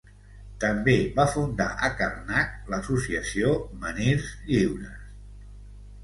També va fundar a Carnac l'associació Menhirs Lliures.